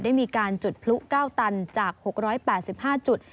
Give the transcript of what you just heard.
ได้มีการจุดพลุ๙ตันจาก๖๘๕จุด